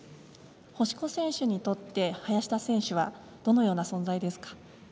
星子選手にとって林田選手はどのような存在ですか。